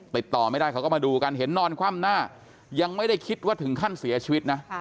ติดต่อไม่ได้เขาก็มาดูกันเห็นนอนคว่ำหน้ายังไม่ได้คิดว่าถึงขั้นเสียชีวิตนะ